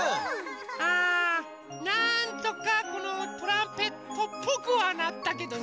あなんとかこのトランペットっぽくはなったけどね。